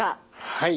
はい。